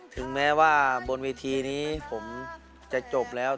ถึงแม้ว่าบนเวทีนี้ผมจะจบแล้ว